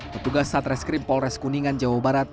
petugas satreskrim polres kuningan jawa barat